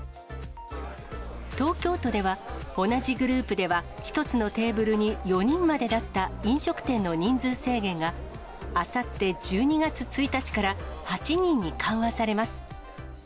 東京都では、同じグループでは１つのテーブルに４人までだった飲食店の人数制限が、あさって１２月１日から８人に緩和されます。